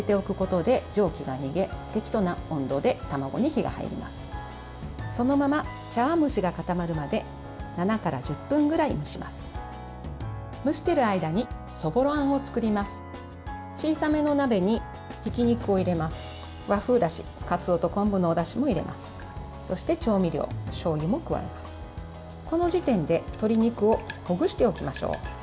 この時点で鶏肉をほぐしておきましょう。